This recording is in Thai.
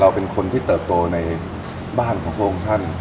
เป็นคนที่เติบโตในบ้านของพระองค์ท่าน